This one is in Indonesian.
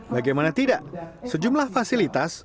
bagaimana tidak sejumlah fasilitas